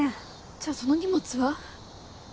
じゃあその荷物は？